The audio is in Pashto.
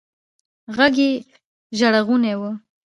ږغ يې ژړغونى و.